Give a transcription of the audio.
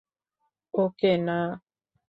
ওকে, না।